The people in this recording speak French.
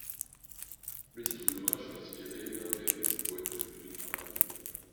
Le titre de l'ouvrage est inspiré d'un vers du poète Louis Aragon.